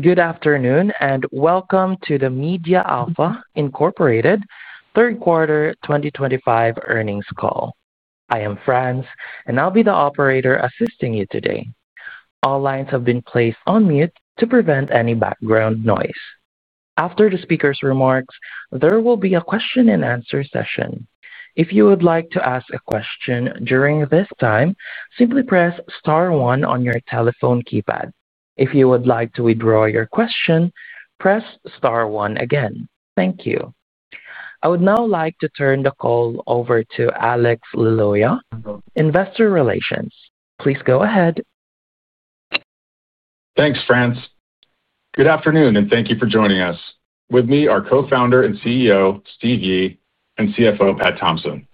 Good afternoon and welcome to the MediaAlpha, Inc Third Quarter 2025 Earnings Call. I am Franz, and I'll be the operator assisting you today. All lines have been placed on mute to prevent any background noise. After the speaker's remarks, there will be a question and answer session. If you would like to ask a question during this time, simply press star one on your telephone keypad. If you would like to withdraw your question, press star one again. Thank you. I would now like to turn the call over to Alex Liloia, Investor Relations. Please go ahead. Thanks, Franz. Good afternoon and thank you for joining us. With me are Co-Founder and CEO, Steve Yi, and CFO, Pat Thompson.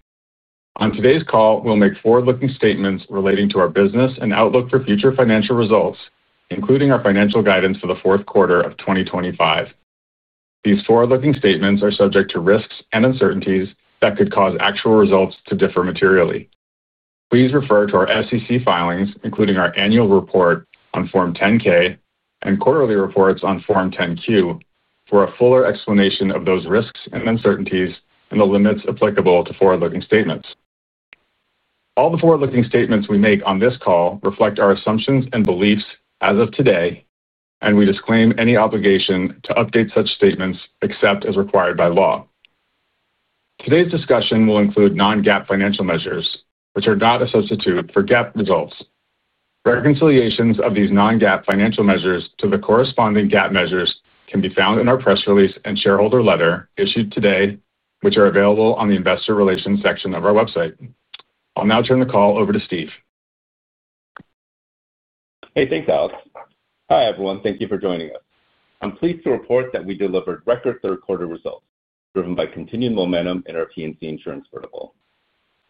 On today's call, we'll make forward-looking statements relating to our business and outlook for future financial results, including our financial guidance for the fourth quarter of 2025. These forward-looking statements are subject to risks and uncertainties that could cause actual results to differ materially. Please refer to our SEC filings, including our annual report on Form 10-K and quarterly reports on Form 10-Q, for a fuller explanation of those risks and uncertainties and the limits applicable to forward-looking statements. All the forward-looking statements we make on this call reflect our assumptions and beliefs as of today, and we disclaim any obligation to update such statements except as required by law. Today's discussion will include non-GAAP financial measures, which are not a substitute for GAAP results. Reconciliations of these non-GAAP financial measures to the corresponding GAAP measures can be found in our press release and shareholder letter issued today, which are available on the Investor Relations section of our website. I'll now turn the call over to Steve. Hey, thanks, Alex. Hi, everyone. Thank you for joining us. I'm pleased to report that we delivered record third-quarter results driven by continued momentum in our P&C insurance vertical.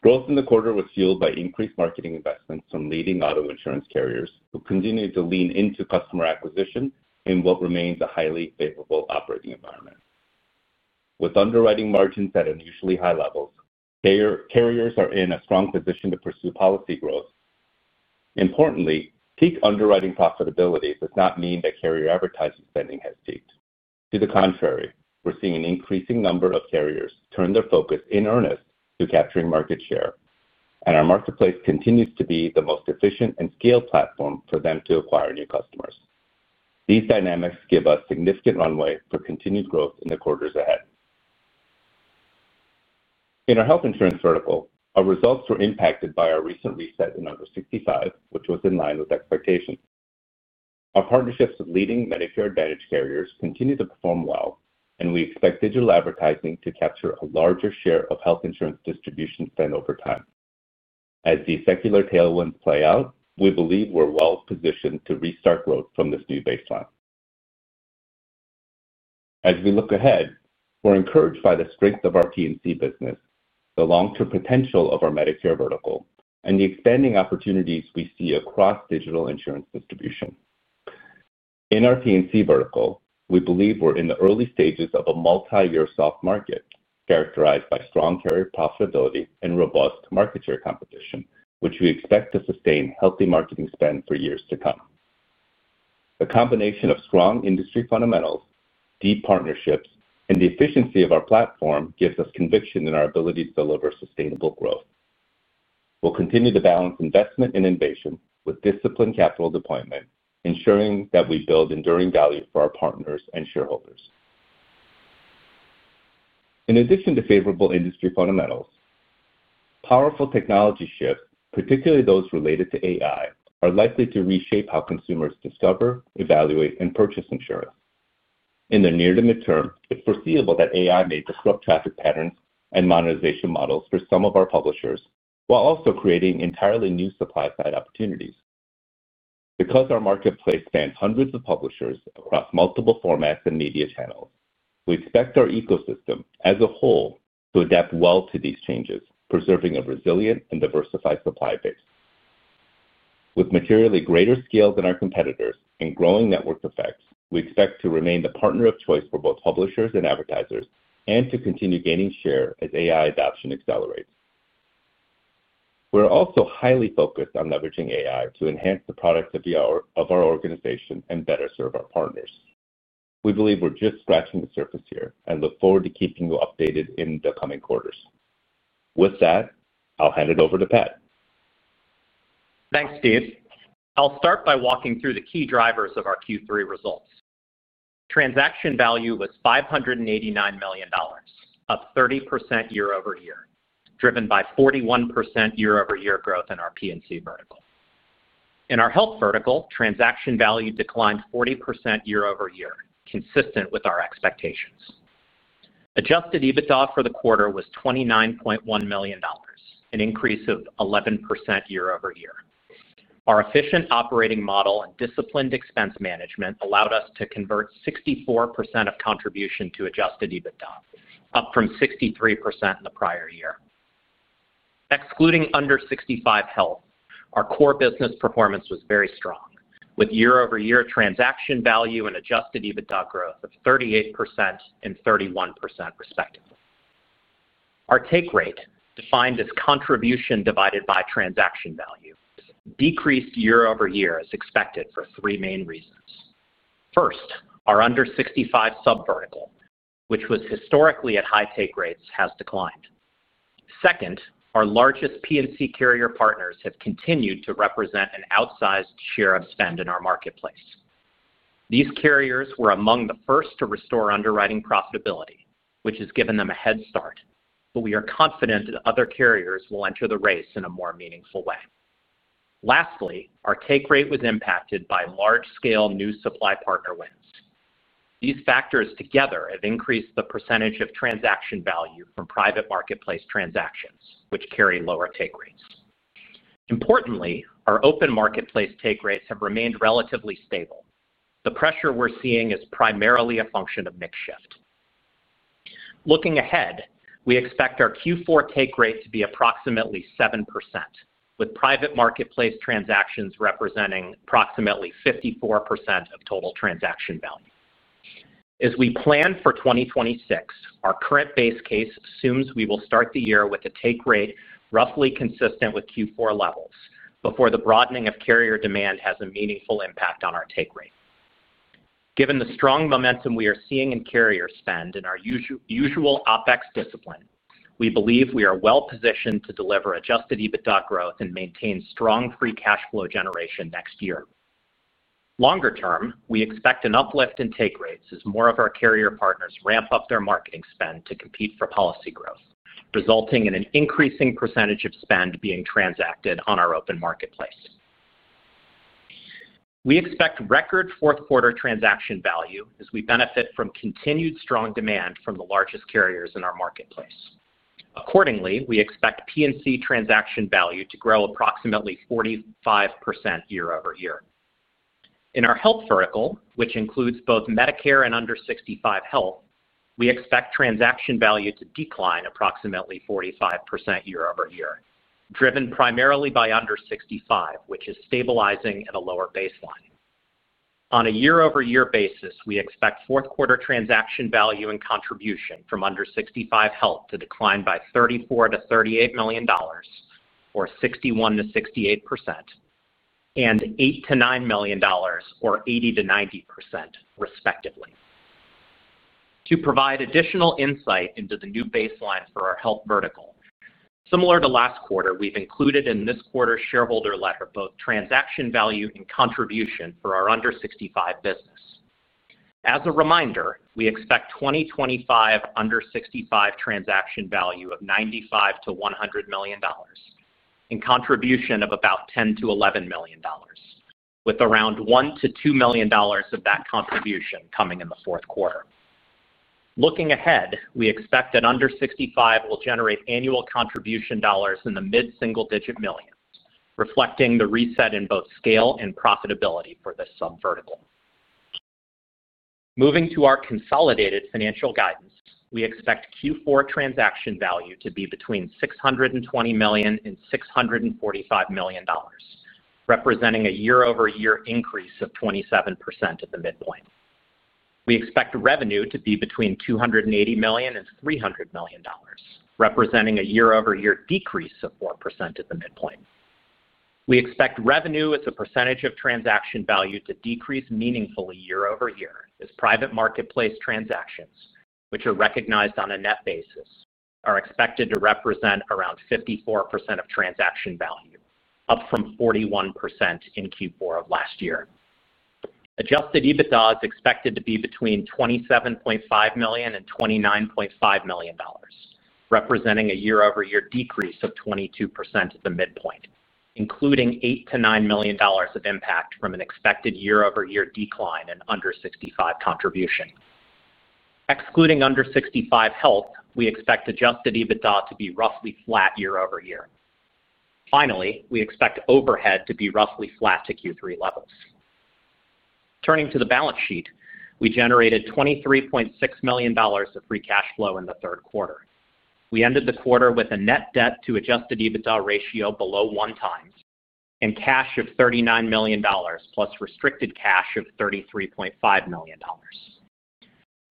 Growth in the quarter was fueled by increased marketing investments from leading auto insurance carriers, who continue to lean into customer acquisition in what remains a highly favorable operating environment. With underwriting margins at unusually high levels, carriers are in a strong position to pursue policy growth. Importantly, peak underwriting profitability does not mean that carrier advertising spending has peaked. To the contrary, we're seeing an increasing number of carriers turn their focus in earnest to capturing market share, and our marketplace continues to be the most efficient and scaled platform for them to acquire new customers. These dynamics give us significant runway for continued growth in the quarters ahead. In our Health insurance vertical, our results were impacted by our recent reset in under-65, which was in line with expectations. Our partnerships with leading Medicare Advantage carriers continue to perform well, and we expect digital advertising to capture a larger share of health insurance distribution spend over time. As these secular tailwinds play out, we believe we're well positioned to restart growth from this new baseline. As we look ahead, we're encouraged by the strength of our P&C business, the long-term potential of our Medicare vertical, and the expanding opportunities we see across digital insurance distribution. In our P&C vertical, we believe we're in the early stages of a multi-year soft market characterized by strong carrier profitability and robust market share competition, which we expect to sustain healthy marketing spend for years to come. The combination of strong industry fundamentals, deep partnerships, and the efficiency of our platform gives us conviction in our ability to deliver sustainable growth. We'll continue to balance investment and innovation with disciplined capital deployment, ensuring that we build enduring value for our partners and shareholders. In addition to favorable industry fundamentals, powerful technology shifts, particularly those related to AI, are likely to reshape how consumers discover, evaluate, and purchase insurance. In the near to midterm, it's foreseeable that AI may disrupt traffic patterns and monetization models for some of our publishers, while also creating entirely new supply-side opportunities. Because our marketplace spans hundreds of publishers across multiple formats and media channels, we expect our ecosystem as a whole to adapt well to these changes, preserving a resilient and diversified supply base. With materially greater scale than our competitors and growing network effects, we expect to remain the partner of choice for both publishers and advertisers and to continue gaining share as AI adoption accelerates. We're also highly focused on leveraging AI to enhance the productivity of our organization and better serve our partners. We believe we're just scratching the surface here and look forward to keeping you updated in the coming quarters. With that, I'll hand it over to Pat. Thanks, Steve. I'll start by walking through the key drivers of our Q3 results. Transaction value was $589 million, up 30% year-over-year, driven by 41% year-over-year growth in our P&C vertical. In our health vertical, transaction value declined 40% year-over-year, consistent with our expectations. Adjusted EBITDA for the quarter was $29.1 million, an increase of 11% year-over-year. Our efficient operating model and disciplined expense management allowed us to convert 64% of contribution to adjusted EBITDA, up from 63% in the prior year. Excluding under-65 health, our core business performance was very strong, with year-over-year transaction value and adjusted EBITDA growth of 38% and 31%, respectively. Our take rate, defined as contribution divided by transaction value, decreased year-over-year as expected for three main reasons. First, our under-65 sub-vertical, which was historically at high take rates, has declined. Second, our largest P&C carrier partners have continued to represent an outsized share of spend in our marketplace. These carriers were among the first to restore underwriting profitability, which has given them a head start. We are confident that other carriers will enter the race in a more meaningful way. Lastly, our take rate was impacted by large-scale new supply partner wins. These factors together have increased the percentage of transaction value from private marketplace transactions, which carry lower take rates. Importantly, our open marketplace take rates have remained relatively stable. The pressure we're seeing is primarily a function of mix shift. Looking ahead, we expect our Q4 take rate to be approximately 7%, with private marketplace transactions representing approximately 54% of total transaction value. As we plan for 2026, our current base case assumes we will start the year with a take rate roughly consistent with Q4 levels before the broadening of carrier demand has a meaningful impact on our take rate. Given the strong momentum we are seeing in carrier spend and our usual OpEx discipline, we believe we are well positioned to deliver adjusted EBITDA growth and maintain strong free cash flow generation next year. Longer term, we expect an uplift in take rates as more of our carrier partners ramp up their marketing spend to compete for policy growth, resulting in an increasing percentage of spend being transacted on our open marketplace. We expect record fourth-quarter transaction value as we benefit from continued strong demand from the largest carriers in our marketplace. Accordingly, we expect P&C transaction value to grow approximately 45% year-over-year. In our Health vertical, which includes both Medicare and under-65 health, we expect transaction value to decline approximately 45% year-over-year, driven primarily by under-65, which is stabilizing at a lower baseline. On a year-over-year basis, we expect fourth-quarter transaction value and contribution from under-65 health to decline by $34 million-$38 million, or 61%-68%, and $8 million-$9 million, or 80%-90%, respectively. To provide additional insight into the new baseline for our health vertical, similar to last quarter, we've included in this quarter's shareholder letter both transaction value and contribution for our under-65 business. As a reminder, we expect 2025 under-65 transaction value of $95 million-$100 million and contribution of about $10 million-$11 million, with around $1 million-$2 million of that contribution coming in the fourth quarter. Looking ahead, we expect that under-65 will generate annual contribution dollars in the mid single-digit million, reflecting the reset in both scale and profitability for this sub-vertical. Moving to our consolidated financial guidance, we expect Q4 transaction value to be between $620 million and $645 million, representing a year-over-year increase of 27% at the midpoint. We expect revenue to be between $280 million and $300 million, representing a year-over-year decrease of 4% at the midpoint. We expect revenue as a percentage of transaction value to decrease meaningfully year-over-year as private marketplace transactions, which are recognized on a net basis, are expected to represent around 54% of transaction value, up from 41% in Q4 of last year. Adjusted EBITDA is expected to be between $27.5 million and $29.5 million, representing a year-over-year decrease of 22% at the midpoint, including $8 million-$9 million of impact from an expected year-over-year decline in under-65 contribution. Excluding under-65 health, we expect adjusted EBITDA to be roughly flat year-over-year. Finally, we expect overhead to be roughly flat to Q3 levels. Turning to the balance sheet, we generated $23.6 million of free cash flow in the third quarter. We ended the quarter with a net debt-to-adjusted EBITDA ratio below 1x and cash of $39 million, plus restricted cash of $33.5 million.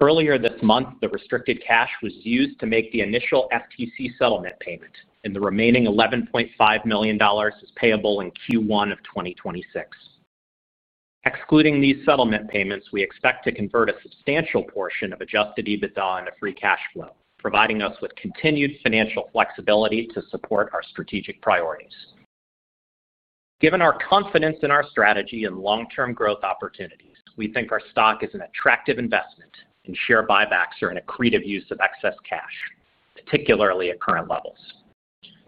Earlier this month, the restricted cash was used to make the initial FTC settlement payment, and the remaining $11.5 million is payable in Q1 of 2026. Excluding these settlement payments, we expect to convert a substantial portion of adjusted EBITDA into free cash flow, providing us with continued financial flexibility to support our strategic priorities. Given our confidence in our strategy and long-term growth opportunities, we think our stock is an attractive investment, and share buybacks are an accretive use of excess cash, particularly at current levels.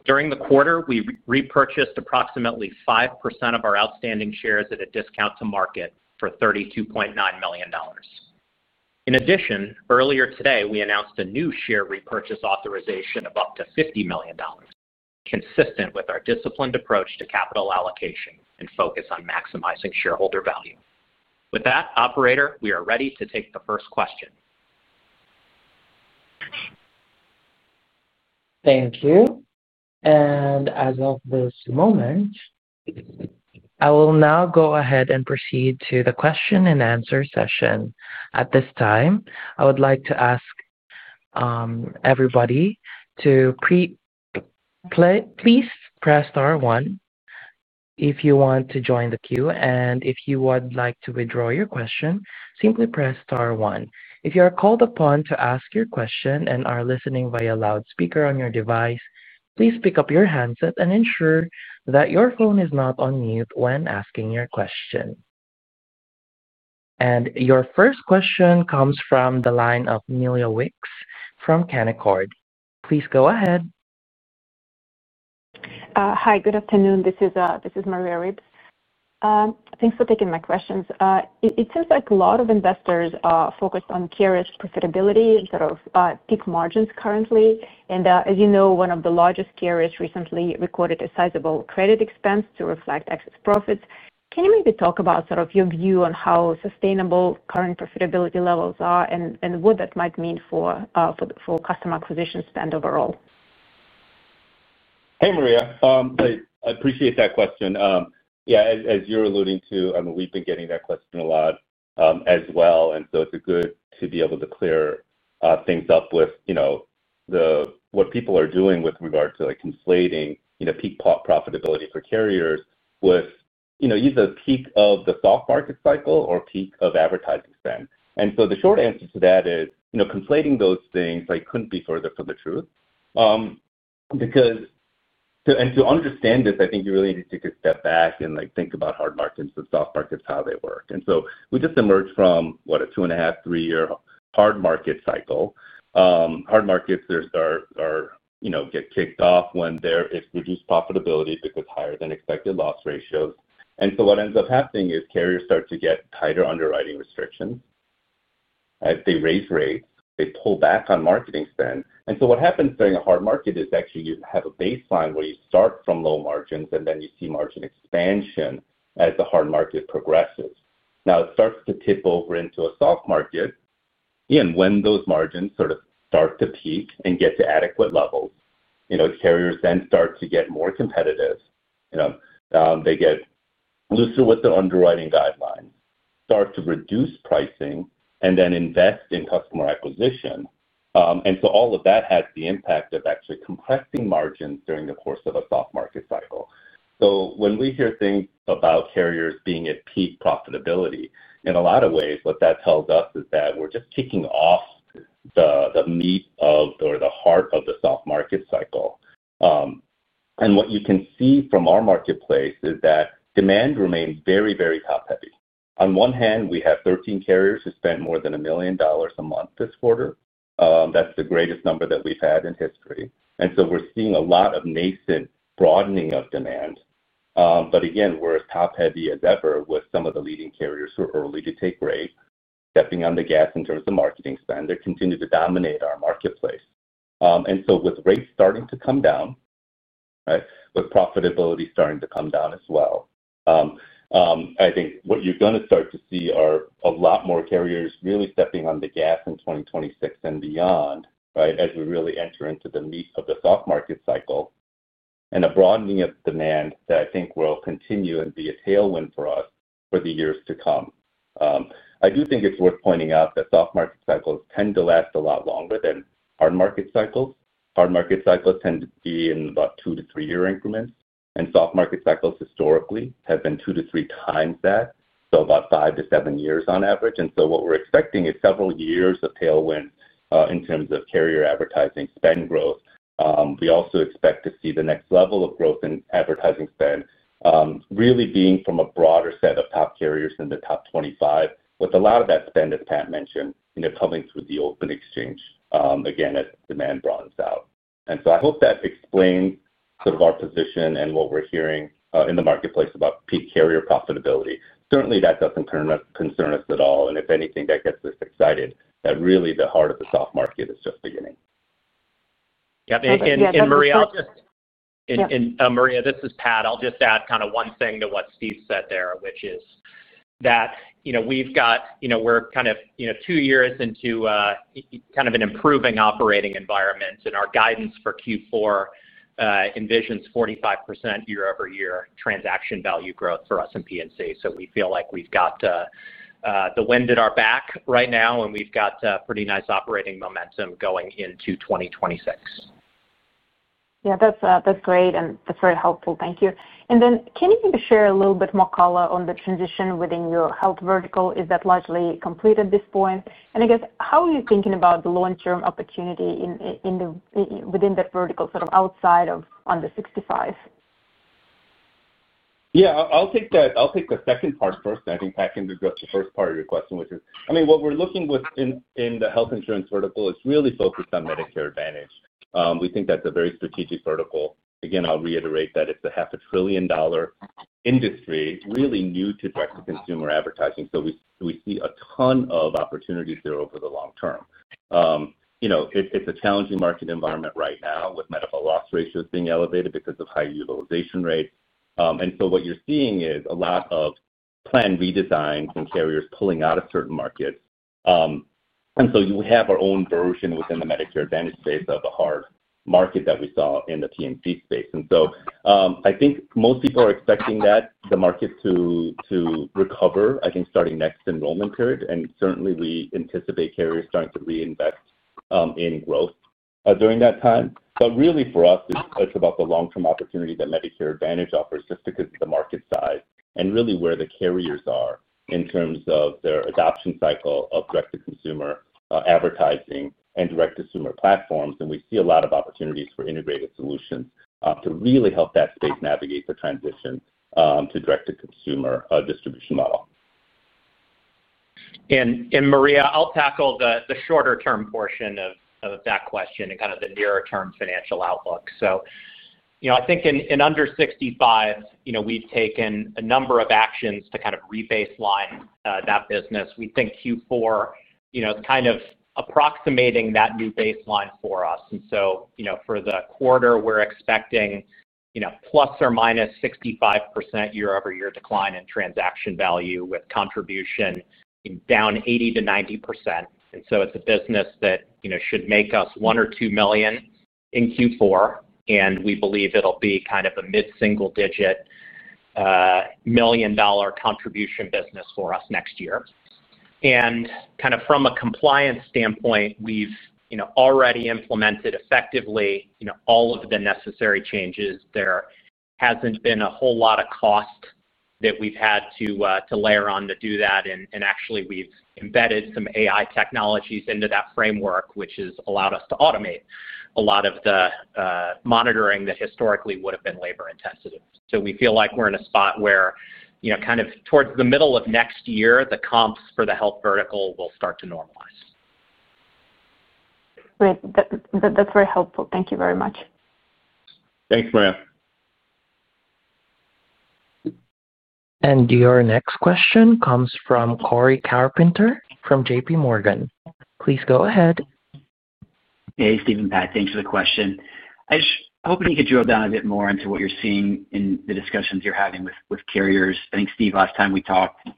During the quarter, we repurchased approximately 5% of our outstanding shares at a discount to market for $32.9 million. In addition, earlier today, we announced a new share repurchase authorization of up to $50 million, consistent with our disciplined approach to capital allocation and focus on maximizing shareholder value. With that, operator, we are ready to take the first question. Thank you. As of this moment, I will now go ahead and proceed to the question and answer session. At this time, I would like to ask everybody to please press star one if you want to join the queue. If you would like to withdraw your question, simply press star one. If you are called upon to ask your question and are listening via loudspeaker on your device, please pick up your handset and ensure that your phone is not on mute when asking your question. Your first question comes from the line of Maria Ripps from Canaccord. Please go ahead. Hi, good afternoon. This is Maria Ripps. Thanks for taking my questions. It seems like a lot of investors are focused on carriers' profitability and sort of peak margins currently. As you know, one of the largest carriers recently recorded a sizable credit expense to reflect excess profits. Can you maybe talk about sort of your view on how sustainable current profitability levels are and what that might mean for customer acquisition spend overall? Hey, Maria. I appreciate that question. Yeah, as you're alluding to, we've been getting that question a lot as well. It's good to be able to clear things up with what people are doing with regard to conflating peak profitability for carriers with either peak of the soft market cycle or peak of advertising spend. The short answer to that is, conflating those things couldn't be further from the truth. To understand this, I think you really need to take a step back and think about hard markets and soft markets, how they work. We just emerged from what, a two and a half, three-year hard market cycle. Hard markets get kicked off when there is reduced profitability because of higher than expected loss ratios. What ends up happening is carriers start to get tighter underwriting restrictions. As they raise rates, they pull back on marketing spend. What happens during a hard market is actually you have a baseline where you start from low margins, and then you see margin expansion as the hard market progresses. Now it starts to tip over into a soft market. When those margins start to peak and get to adequate levels, carriers then start to get more competitive. They get looser with their underwriting guidelines, start to reduce pricing, and then invest in customer acquisition. All of that has the impact of actually compressing margins during the course of a soft market cycle. When we hear things about carriers being at peak profitability, in a lot of ways, what that tells us is that we're just kicking off the meat of or the heart of the soft market cycle. What you can see from our marketplace is that demand remains very, very top-heavy. On one hand, we have 13 carriers who spent more than $1 million a month this quarter. That's the greatest number that we've had in history. We're seeing a lot of nascent broadening of demand. Again, we're as top-heavy as ever with some of the leading carriers who are early to take rate, stepping on the gas in terms of marketing spend, that continue to dominate our marketplace. With rates starting to come down, with profitability starting to come down as well, I think what you're going to start to see are a lot more carriers really stepping on the gas in 2026 and beyond, as we really enter into the meat of the soft market cycle and a broadening of demand that I think will continue and be a tailwind for us for the years to come. I do think it's worth pointing out that soft market cycles tend to last a lot longer than hard market cycles. Hard market cycles tend to be in about two to three-year increments, and soft market cycles historically have been two to three times that, so about five to seven years on average. What we're expecting is several years of tailwinds in terms of carrier advertising spend growth. We also expect to see the next level of growth in advertising spend really being from a broader set of top carriers in the top 25, with a lot of that spend, as Pat mentioned, coming through the open marketplace again as demand broadens out. I hope that explains our position and what we're hearing in the marketplace about peak carrier profitability. Certainly, that doesn't concern us at all. If anything, that gets us excited that really the heart of the soft market is just beginning. Maria, this is Pat. I'll just add one thing to what Steve said there, which is that we've got, we're kind of two years into an improving operating environment, and our guidance for Q4 envisions 45% year-over-year transaction value growth for us in P&C. We feel like we've got the wind at our back right now, and we've got pretty nice operating momentum going into 2026. Yeah, that's great and that's very helpful. Thank you. Can you maybe share a little bit more color on the transition within your health vertical? Is that largely complete at this point? I guess, how are you thinking about the long-term opportunity within that vertical sort of outside of under-65? Yeah, I'll take that. I'll take the second part first, and I think Pat can go to the first part of your question, which is, I mean, what we're looking within the health insurance vertical is really focused on Medicare Advantage. We think that's a very strategic vertical. Again, I'll reiterate that it's a half a trillion-dollar industry, really new to direct-to-consumer advertising. We see a ton of opportunities there over the long term. It's a challenging market environment right now with medical loss ratios being elevated because of high utilization rates. What you're seeing is a lot of planned redesigns and carriers pulling out of certain markets. We have our own version within the Medicare Advantage space of a hard market that we saw in the P&C space. I think most people are expecting the market to recover, I think, starting next enrollment period. Certainly, we anticipate carriers starting to reinvest in growth during that time. For us, it's about the long-term opportunity that Medicare Advantage offers just because of the market size and really where the carriers are in terms of their adoption cycle of direct-to-consumer advertising and direct-to-consumer platforms. We see a lot of opportunities for integrated solutions to really help that space navigate the transition to a direct-to-consumer distribution model. Maria, I'll tackle the shorter-term portion of that question and the nearer-term financial outlook. In under-65, we've taken a number of actions to rebaseline that business. We think Q4 is approximating that new baseline for us. For the quarter, we're expecting plus or minus 65% year-over-year decline in transaction value with contribution down 80%-90%. It's a business that should make us $1 million or $2 million in Q4, and we believe it'll be a mid single-digit million-dollar contribution business for us next year. From a compliance standpoint, we've already implemented effectively all of the necessary changes. There hasn't been a whole lot of cost that we've had to layer on to do that. Actually, we've embedded some AI technologies into that framework, which has allowed us to automate a lot of the monitoring that historically would have been labor-intensive. We feel like we're in a spot where, towards the middle of next year, the comps for the Health vertical will start to normalize. Great. That's very helpful. Thank you very much. Thanks, Maria. Your next question comes from Cory Carpenter from JPMorgan. Please go ahead. Hey, Steve, Pat, thanks for the question. I was hoping you could drill down a bit more into what you're seeing in the discussions you're having with carriers. I think, Steve, last time we talked,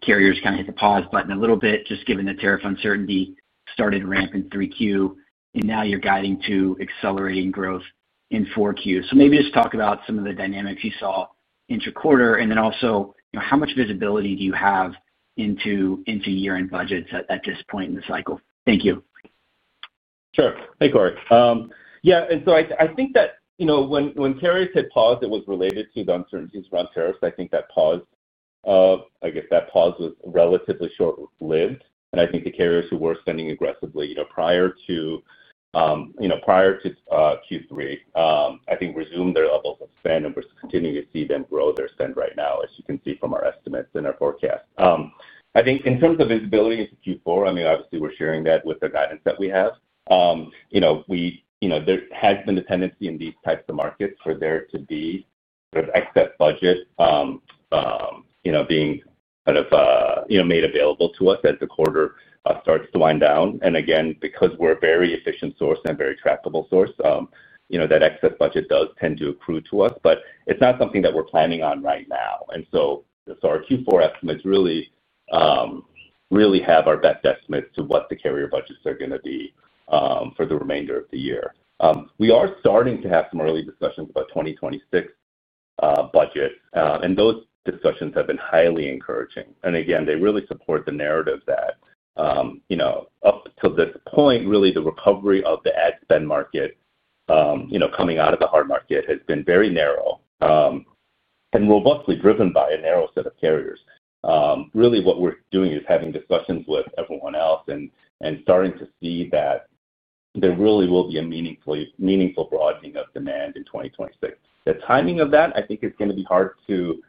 carriers kind of hit the pause button a little bit, just given the tariff uncertainty started to ramp in Q3. Now you're guiding to accelerating growth in Q4. Maybe just talk about some of the dynamics you saw interquarter. Also, you know, how much visibility do you have into year-end budgets at this point in the cycle? Thank you. Sure. Hey, Cory. Yeah, I think that when carriers hit pause, it was related to the uncertainties around tariffs. That pause was relatively short-lived. The carriers who were spending aggressively prior to Q3 resumed their levels of spend and we're continuing to see them grow their spend right now, as you can see from our estimates and our forecast. In terms of visibility into Q4, obviously, we're sharing that with the guidance that we have. There has been a tendency in these types of markets for there to be sort of excess budget being made available to us as the quarter starts to wind down. Because we're a very efficient source and a very trackable source, that excess budget does tend to accrue to us. It's not something that we're planning on right now. Our Q4 estimates really have our best estimates to what the carrier budgets are going to be for the remainder of the year. We are starting to have some early discussions about 2026 budgets, and those discussions have been highly encouraging. They really support the narrative that up till this point, the recovery of the ad spend market coming out of the hard market has been very narrow and robustly driven by a narrow set of carriers. What we're doing is having discussions with everyone else and starting to see that there really will be a meaningful broadening of demand in 2026. The timing of that is going to be hard to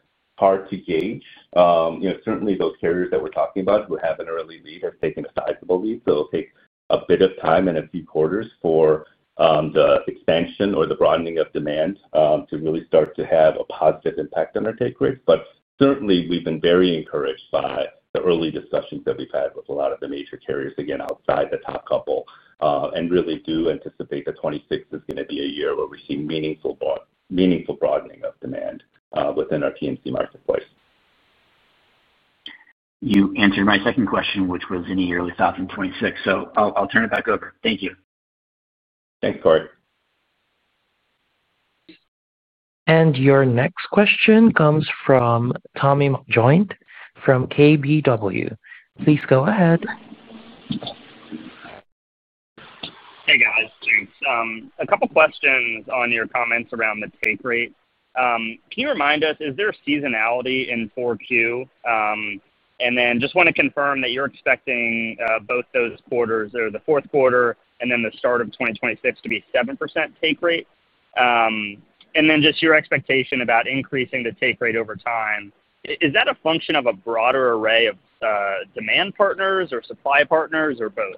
gauge. Certainly, those carriers that we're talking about who have an early lead have taken a sizable lead. It will take a bit of time and a few quarters for the expansion or the broadening of demand to really start to have a positive impact on our take rates. Certainly, we've been very encouraged by the early discussions that we've had with a lot of the major carriers, outside the top couple. We really do anticipate that 2026 is going to be a year where we're seeing meaningful broadening of demand within our P&C marketplace. You answered my second question, which was in the early 2026. I'll turn it back over. Thank you. Thanks, Cory. Your next question comes from Tommy McJoynt from KBW. Please go ahead. Hey, guys. Thanks. A couple of questions on your comments around the take rate. Can you remind us, is there a seasonality in Q4? I just want to confirm that you're expecting both those quarters, or the fourth quarter and then the start of 2026, to be 7% take rate. Your expectation about increasing the take rate over time, is that a function of a broader array of demand partners or supply partners or both?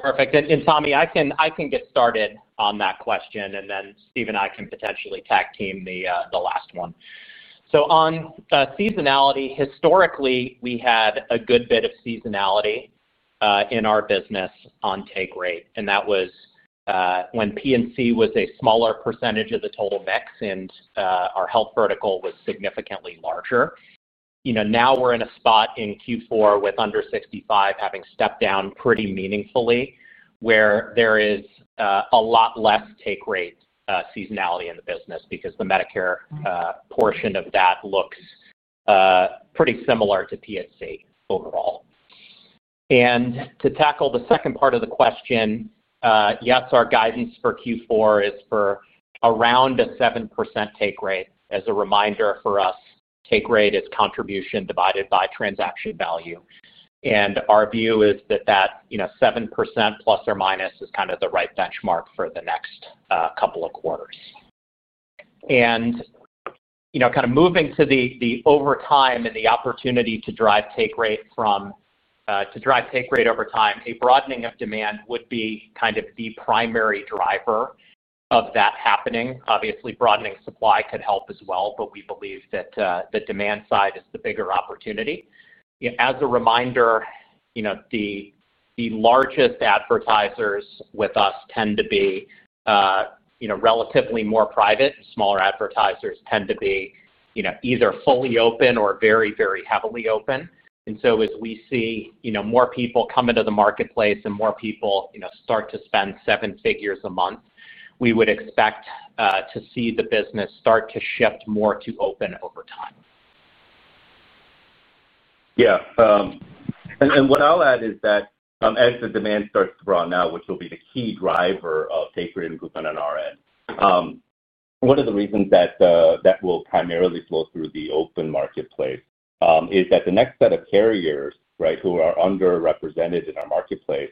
Perfect. Tommy, I can get started on that question, and then Steve and I can potentially tag team the last one. On seasonality, historically, we had a good bit of seasonality in our business on take rate. That was when P&C was a smaller percentage of the total mix and our health vertical was significantly larger. Now we're in a spot in Q4 with under-65 having stepped down pretty meaningfully, where there is a lot less take rate seasonality in the business because the Medicare portion of that looks pretty similar to P&C overall. To tackle the second part of the question, yes, our guidance for Q4 is for around a 7% take rate. As a reminder for us, take rate is contribution divided by transaction value. Our view is that 7% plus or minus is kind of the right benchmark for the next couple of quarters. Moving to the opportunity to drive take rate over time, a broadening of demand would be the primary driver of that happening. Obviously, broadening supply could help as well, but we believe that the demand side is the bigger opportunity. As a reminder, the largest advertisers with us tend to be relatively more private, and smaller advertisers tend to be either fully open or very, very heavily open. As we see more people come into the marketplace and more people start to spend seven figures a month, we would expect to see the business start to shift more to open over time. Yeah. What I'll add is that as the demand starts to draw now, which will be the key driver of take rate improvement on our end, one of the reasons that will primarily flow through the open marketplace is that the next set of carriers who are underrepresented in our marketplace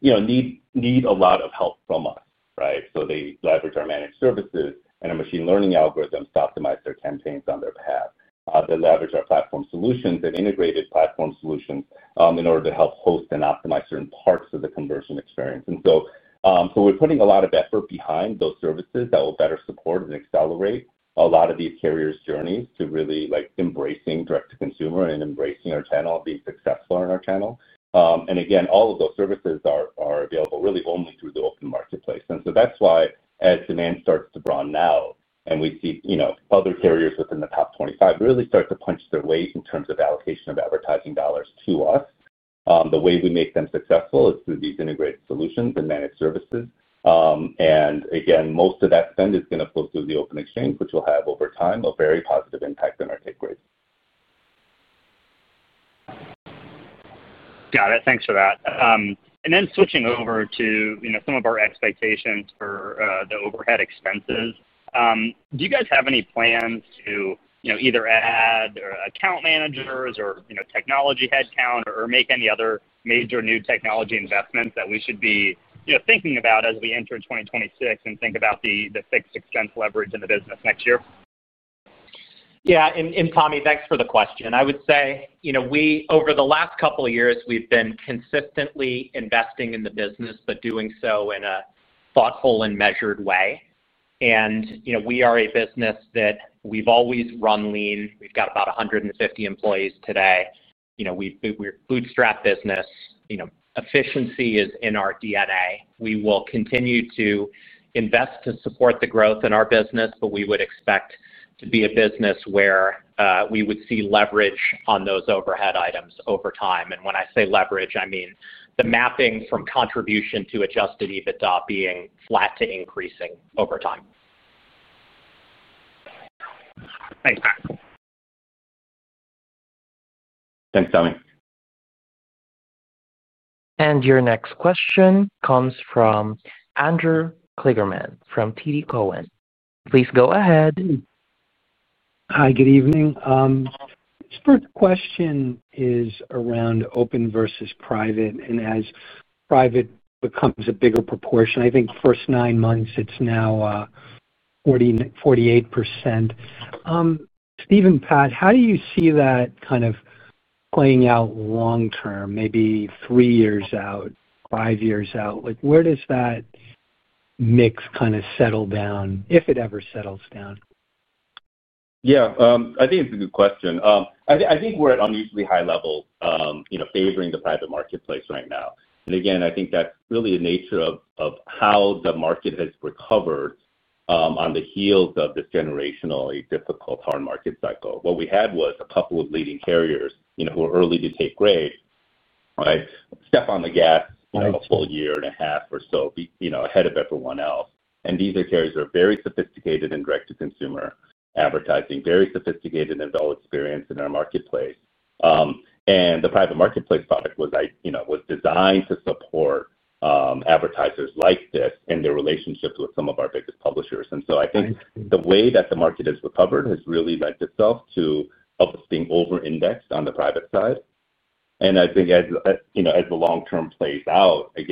need a lot of help from us, right? They leverage our managed services and our machine learning algorithms to optimize their campaigns on their path. They leverage our platform solutions and integrated platform solutions in order to help host and optimize certain parts of the conversion experience. We're putting a lot of effort behind those services that will better support and accelerate a lot of these carriers' journeys to really embracing direct-to-consumer and embracing our channel, being successful in our channel. All of those services are available really only through the open marketplace. That's why as demand starts to draw now and we see other carriers within the top 25 really start to punch their weight in terms of allocation of advertising dollars to us, the way we make them successful is through these integrated solutions and managed services. Most of that spend is going to flow through the open exchange, which will have over time a very positive impact on our take rate. Got it. Thanks for that. Switching over to some of our expectations for the overhead expenses, do you guys have any plans to either add account managers or technology headcount, or make any other major new technology investments that we should be thinking about as we enter 2026 and think about the fixed expense leverage in the business next year? Yeah, and Tommy, thanks for the question. I would say, you know, over the last couple of years, we've been consistently investing in the business, but doing so in a thoughtful and measured way. You know, we are a business that we've always run lean. We've got about 150 employees today. We're a bootstrap business. Efficiency is in our DNA. We will continue to invest to support the growth in our business, but we would expect to be a business where we would see leverage on those overhead items over time. When I say leverage, I mean the mapping from contribution to adjusted EBITDA being flat to increasing over time. Thanks, Pat. Thanks, Tommy. Your next question comes from Andrew Kligerman from TD Cowen. Please go ahead. Hi, good evening. This first question is around open versus private. As private becomes a bigger proportion, I think the first nine months, it's now 48%. Steven, Pat, how do you see that kind of playing out long-term, maybe three years out, five years out? Where does that mix kind of settle down if it ever settles down? Yeah, I think it's a good question. I think we're at unusually high levels, favoring the private marketplace right now. I think that's really the nature of how the market has recovered on the heels of this generationally difficult hard market cycle. What we had was a couple of leading carriers who were early to take rate, step on the gas, a full year and a half or so ahead of everyone else. These are carriers that are very sophisticated in direct-to-consumer advertising, very sophisticated in experience in our marketplace. The private marketplace product was designed to support advertisers like this and their relationships with some of our biggest publishers. I think the way that the market has recovered has really lent itself to us being over-indexed on the private side. As the long-term plays out, as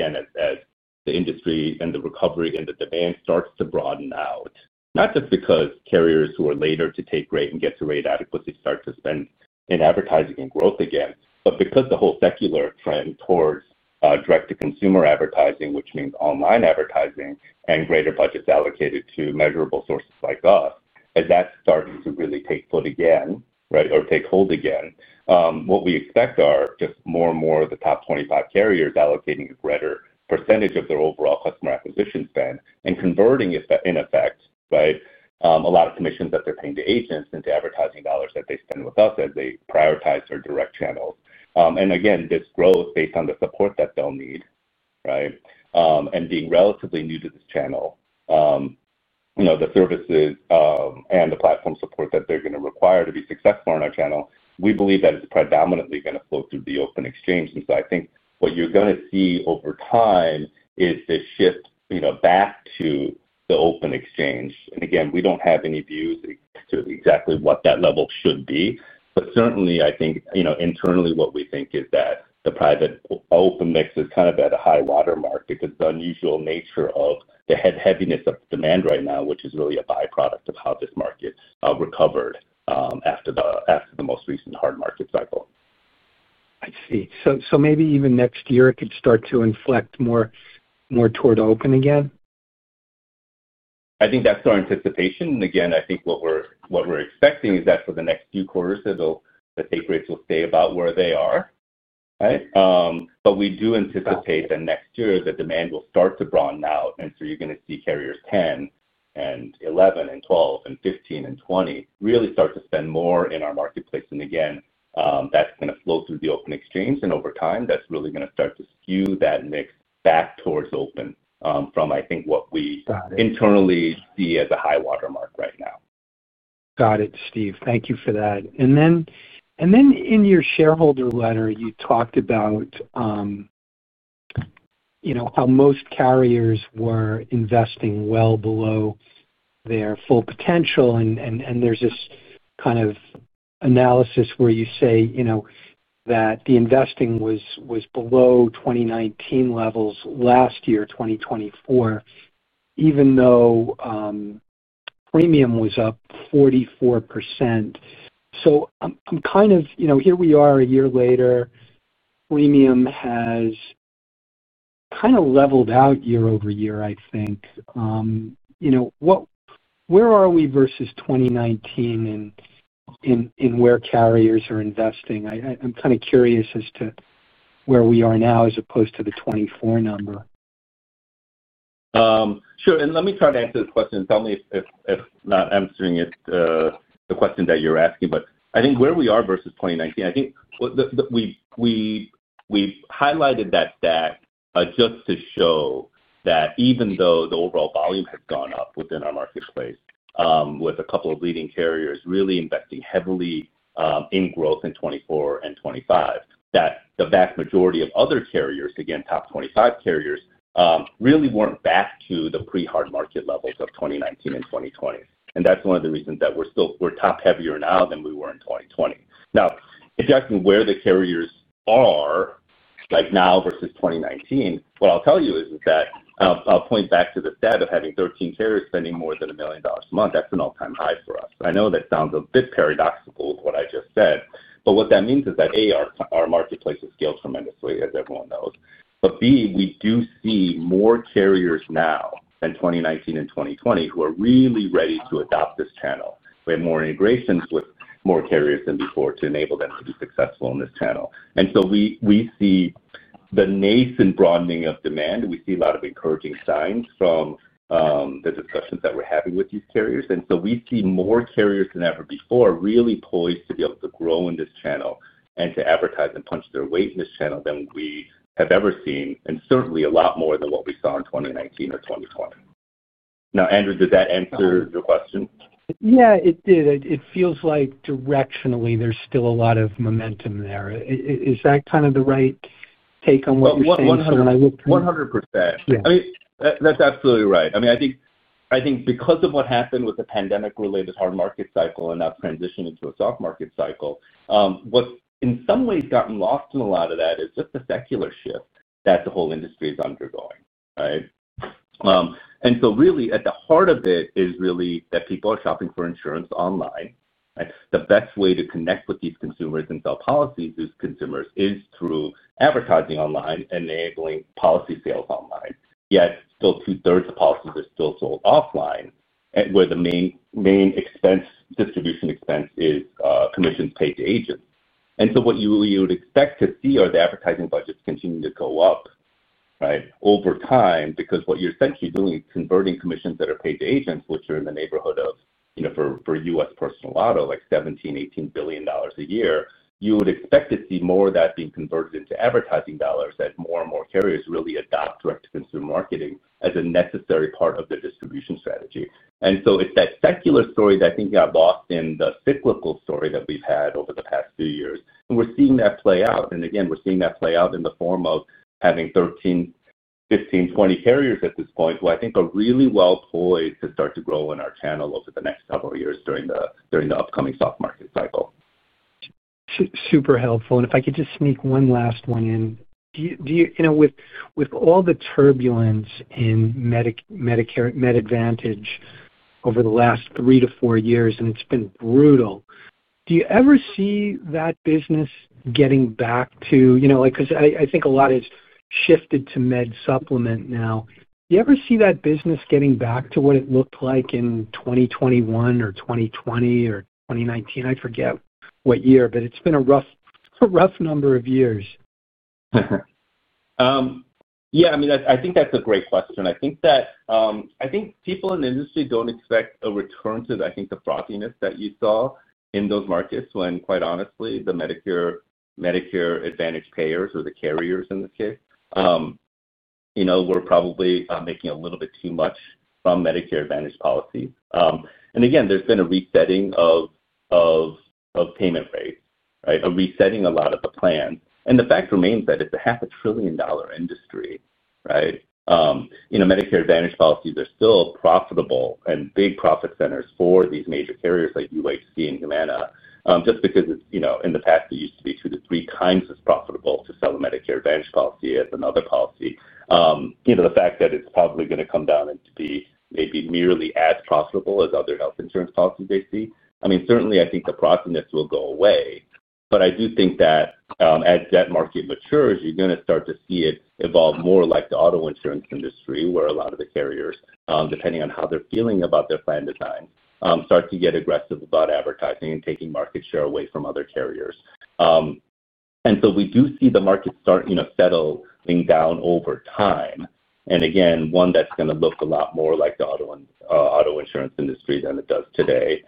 the industry and the recovery and the demand start to broaden out, not just because carriers who are later to take rate and get to rate adequacy start to spend in advertising and growth again, but because the whole secular trend towards direct-to-consumer advertising, which means online advertising and greater budgets allocated to measurable sources like us, as that starts to really take foot again, or take hold again, what we expect are just more and more of the top 25 carriers allocating a greater % of their overall customer acquisition spend and converting, in effect, a lot of commissions that they're paying to agents and to advertising dollars that they spend with us as they prioritize their direct channels. This growth, based on the support that they'll need and being relatively new to this channel, the services and the platform support that they're going to require to be successful in our channel, we believe that it's predominantly going to flow through the open exchange. I think what you're going to see over time is this shift back to the open exchange. We don't have any views to exactly what that level should be. Certainly, I think internally what we think is that the private open mix is kind of at a high watermark because of the unusual nature of the heaviness of the demand right now, which is really a byproduct of how this market recovered after the most recent hard market cycle. I see. Maybe even next year, it could start to inflect more toward open again? I think that's our anticipation. I think what we're expecting is that for the next few quarters, the take rates will stay about where they are, right? We do anticipate that next year, the demand will start to broaden out. You're going to see carriers 10 and 11 and 12 and 15 and 20 really start to spend more in our marketplace. That's going to flow through the open marketplace. Over time, that's really going to start to skew that mix back towards open from, I think, what we internally see as a high watermark right now. Got it, Steve. Thank you for that. In your shareholder letter, you talked about how most carriers were investing well below their full potential. There is this kind of analysis where you say that the investing was below 2019 levels last year, 2024, even though premium was up 44%. I'm kind of, here we are a year later. Premium has kind of leveled out year over year, I think. Where are we versus 2019 and where carriers are investing? I'm kind of curious as to where we are now as opposed to the 2024 number. Sure. Let me try to answer the question. Tell me if not answering it, the question that you're asking. I think where we are versus 2019, I think we've highlighted that stat just to show that even though the overall volume has gone up within our marketplace, with a couple of leading carriers really investing heavily in growth in 2024 and 2025, the vast majority of other carriers, again, top 25 carriers, really weren't back to the pre-hard market levels of 2019 and 2020. That's one of the reasons that we're still, we're top-heavier now than we were in 2020. If you're asking where the carriers are like now versus 2019, what I'll tell you is that I'll point back to the stat of having 13 carriers spending more than $1 million a month. That's an all-time high for us. I know that sounds a bit paradoxical of what I just said. What that means is that, A, our marketplace has scaled tremendously, as everyone knows. B, we do see more carriers now than 2019 and 2020 who are really ready to adopt this channel. We have more integrations with more carriers than before to enable them to be successful in this channel. We see the nascent broadening of demand. We see a lot of encouraging signs from the discussions that we're having with these carriers. We see more carriers than ever before really poised to be able to grow in this channel and to advertise and punch their weight in this channel than we have ever seen, and certainly a lot more than what we saw in 2019 or 2020. Now, Andrew, did that answer your question? Yeah, it did. It feels like directionally, there's still a lot of momentum there. Is that kind of the right take on what you're saying? 100%. That's absolutely right. I think because of what happened with the pandemic-related hard market cycle and now transitioning to a soft market cycle, what's in some ways gotten lost in a lot of that is just the secular shift that the whole industry is undergoing, right? Really, at the heart of it is that people are shopping for insurance online. The best way to connect with these consumers and sell policies to these consumers is through advertising online and enabling policy sales online. Yet still, two-thirds of policies are still sold offline, where the main expense, distribution expense, is commissions paid to agents. What you would expect to see are the advertising budgets continuing to go up over time, because what you're essentially doing is converting commissions that are paid to agents, which are in the neighborhood of, you know, for U.S. personal auto, like $17 billion, $18 billion a year. You would expect to see more of that being converted into advertising dollars as more and more carriers really adopt direct-to-consumer marketing as a necessary part of their distribution strategy. It's that secular story that I think got lost in the cyclical story that we've had over the past few years. We're seeing that play out. Again, we're seeing that play out in the form of having 13, 15, 20 carriers at this point who I think are really well poised to start to grow in our channel over the next several years during the upcoming soft market cycle. Super helpful. If I could just sneak one last one in, do you, with all the turbulence in Medicare Advantage over the last three to four years, and it's been brutal, do you ever see that business getting back to, like, because I think a lot has shifted to med supplement now, do you ever see that business getting back to what it looked like in 2021 or 2020 or 2019? I forget what year, but it's been a rough number of years. Yeah, I mean, I think that's a great question. I think people in the industry don't expect a return to the frothiness that you saw in those markets when, quite honestly, the Medicare Advantage payers or the carriers in this case were probably making a little bit too much from Medicare Advantage policies. There's been a resetting of payment rates, a resetting of a lot of the plans. The fact remains that it's a half a trillion-dollar industry, right? Medicare Advantage policies are still profitable and big profit centers for these major carriers like UHC and Humana, just because in the past, it used to be two to three times as profitable to sell a Medicare Advantage policy as another policy. The fact that it's probably going to come down to be maybe nearly as profitable as other health insurance policies they see, I mean, certainly, I think the frothiness will go away. I do think that as that market matures, you're going to start to see it evolve more like the auto insurance industry, where a lot of the carriers, depending on how they're feeling about their plan design, start to get aggressive about advertising and taking market share away from other carriers. We do see the market start settling down over time. One that's going to look a lot more like the auto insurance industry than it does today.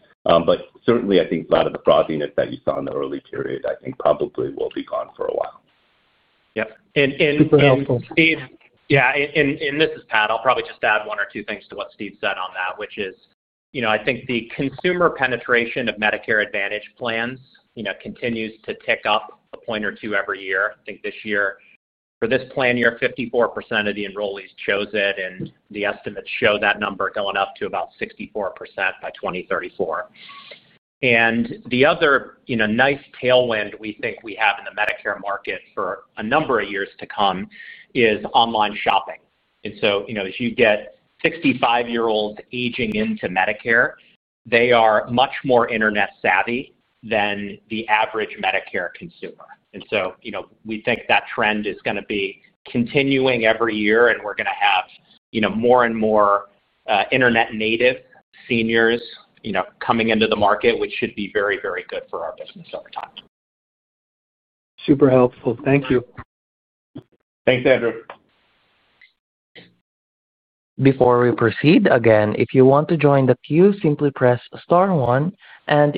Certainly, I think a lot of the frothiness that you saw in the early period probably will be gone for a while. Yep. And. Super helpful. Steve, yeah, and this is Pat. I'll probably just add one or two things to what Steve said on that, which is, I think the consumer penetration of Medicare Advantage plans continues to tick up a point or two every year. I think this year, for this plan year, 54% of the enrollees chose it, and the estimates show that number going up to about 64% by 2034. The other nice tailwind we think we have in the Medicare market for a number of years to come is online shopping. As you get 65-year-olds aging into Medicare, they are much more internet-savvy than the average Medicare consumer. We think that trend is going to be continuing every year, and we're going to have more and more internet-native seniors coming into the market, which should be very, very good for our business over time. Super helpful. Thank you. Thanks, Andrew. Before we proceed, if you want to join the queue, simply press star one.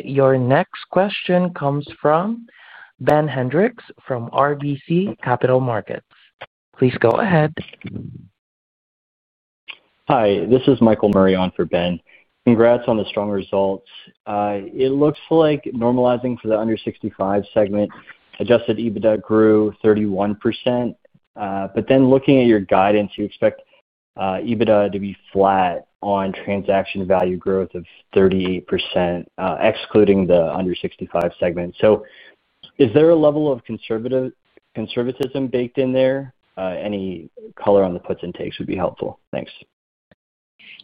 Your next question comes from Ben Hendrix from RBC Capital Markets. Please go ahead. Hi, this is Michael Murray on for Ben. Congrats on the strong results. It looks like, normalizing for the under-65 segment, adjusted EBITDA grew 31%. Looking at your guidance, you expect EBITDA to be flat on transaction value growth of 38%, excluding the under-65 segment. Is there a level of conservatism baked in there? Any color on the puts and takes would be helpful. Thanks.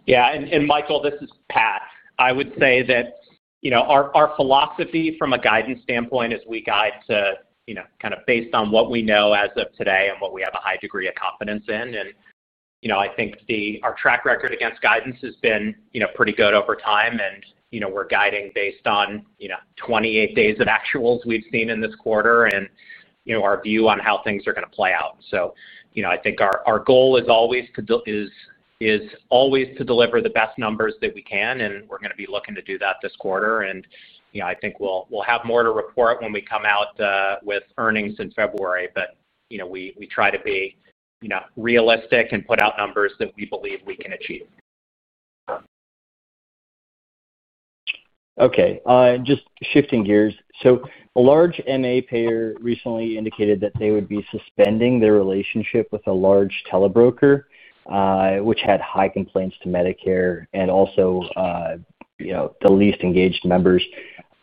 Yeah, Michael, this is Pat. I would say that our philosophy from a guidance standpoint is we guide to, you know, kind of based on what we know as of today and what we have a high degree of confidence in. I think our track record against guidance has been pretty good over time. We're guiding based on 28 days of actuals we've seen in this quarter and our view on how things are going to play out. I think our goal is always to deliver the best numbers that we can, and we're going to be looking to do that this quarter. I think we'll have more to report when we come out with earnings in February. We try to be realistic and put out numbers that we believe we can achieve. Okay. Just shifting gears, a large MA payer recently indicated that they would be suspending their relationship with a large telebroker, which had high complaints to Medicare and also, you know, the least engaged members.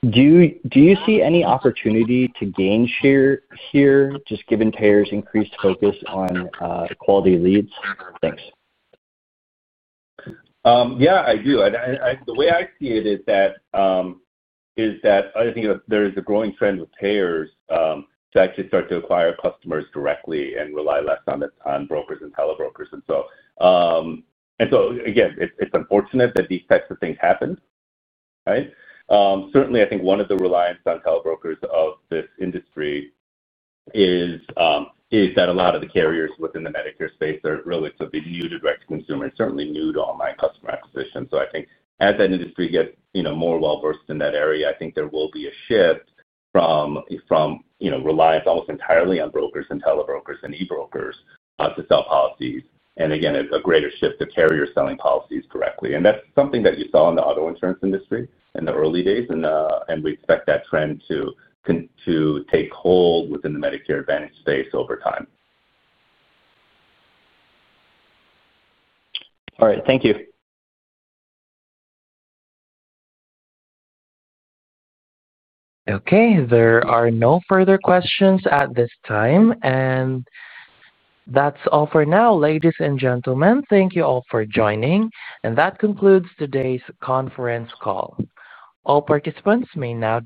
Do you see any opportunity to gain share here, just given payers' increased focus on quality leads? Thanks. Yeah, I do. The way I see it is that I think there is a growing trend with payers to actually start to acquire customers directly and rely less on brokers and telebrokers. It's unfortunate that these types of things happen, right? Certainly, I think one of the reliance on telebrokers of this industry is that a lot of the carriers within the Medicare space are really new to direct-to-consumer and certainly new to online customer acquisition. I think as that industry gets more well-versed in that area, there will be a shift from reliance almost entirely on brokers and telebrokers and eBrokers to sell policies, and a greater shift to carriers selling policies directly. That's something that you saw in the auto insurance industry in the early days. We expect that trend to take hold within the Medicare Advantage space over time. All right. Thank you. Okay, there are no further questions at this time. That's all for now, ladies and gentlemen. Thank you all for joining. That concludes today's conference call. All participants may now.